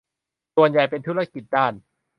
ส่วนใหญ่เป็นธุรกิจด้าน